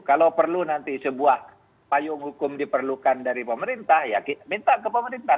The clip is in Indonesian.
kalau perlu nanti sebuah payung hukum diperlukan dari pemerintah ya minta ke pemerintah